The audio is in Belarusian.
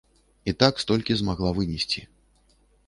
І так столькі змагла вынесці.